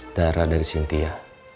menelan darah dari sintia